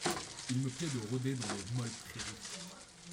Il me plaît de rôder dans les molles prairies